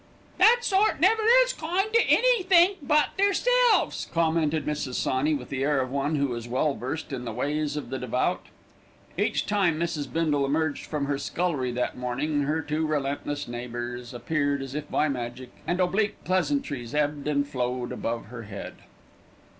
"That sort never is kind to any think but theirselves," commented Mrs. Sawney, with the air of one who is well versed in the ways of the devout. Each time Mrs. Bindle emerged from her scullery that morning, her two relentless neighbours appeared as if by magic, and oblique pleasantries ebbed and flowed above her head.